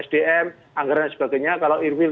sdm anggaran dan sebagainya kalau earwil